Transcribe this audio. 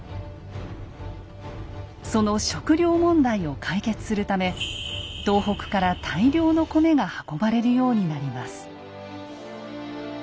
その食料問題を解決するため東北から大量の米が運ばれるようになります。